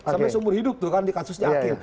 sampai seumur hidup tuh kan di kasusnya aktif